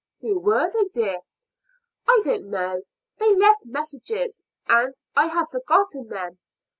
"Who were they, dear?" "I don't know. They left messages, and I have forgotten them.